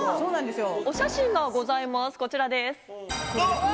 お写真がございますこちらです。